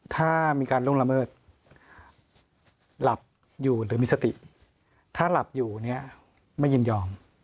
ถ้ามีการล่วงละเมิดหลับอยู่หรือมีสติถ้าหลับอยู่เนี่ยไม่ยินยอม